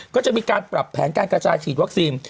ก็จะมีการปรับแผนการกระจายฉีดวัคซีน